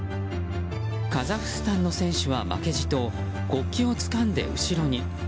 カザフスタンの選手は負けじと国旗をつかんで後ろに。